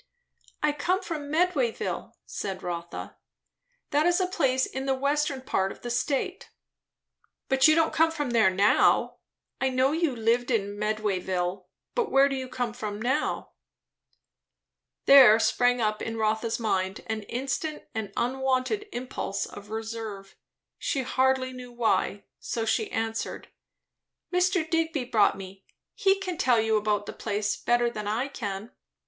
"I come from Medwayville," said Rotha. "That is a place in the western part of the state." "But you don't come from there now. I know you did live in Medwayville. But where do you come from now?" There sprang up in Rotha's mind an instant and unwonted impulse of reserve; she hardly knew why. So she answered, "Mr. Digby brought me; he can tell you about the place better than I can."